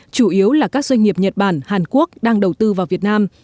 chủ yếu là các doanh nghiệp nhật bản hàn quốc đang đầu tư vào việt nam